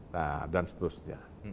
nah dan seterusnya